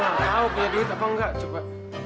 wah tau punya duit apa enggak coba